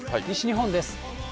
西日本です。